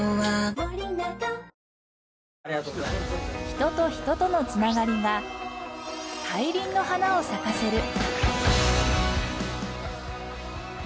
人と人との繋がりが大輪の花を咲かせる。